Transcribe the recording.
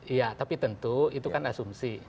iya tapi tentu itu kan asumsi